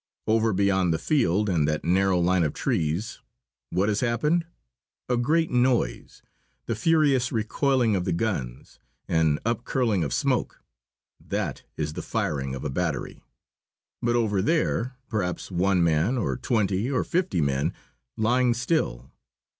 Over beyond the field and that narrow line of trees, what has happened? A great noise, the furious recoiling of the guns, an upcurling of smoke that is the firing of a battery. But over there, perhaps, one man, or twenty, or fifty men, lying still.